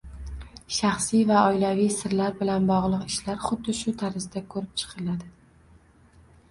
Shaxsiy va oilaviy sirlar bilan bog'liq ishlar xuddi shu tarzda ko'rib chiqiladi